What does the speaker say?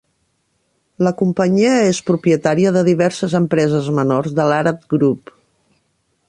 La companyia és propietària de diverses empreses menors de l'"Arad Group".